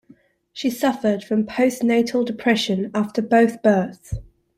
She suffered from postnatal depression after both births.